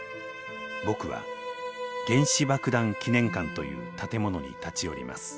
僕は「原子爆弾記念館」という建物に立ち寄ります。